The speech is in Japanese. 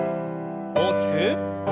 大きく。